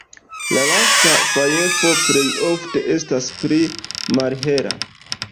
La lasta fajfo plej ofte estas pli malhela.